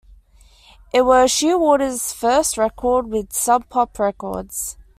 It was Shearwater's first record with Sub Pop Records.